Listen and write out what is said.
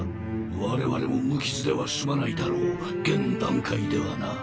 我々も無傷では済まないだろう現段階ではな。